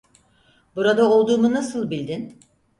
Burada olduğumu nasıl bildin?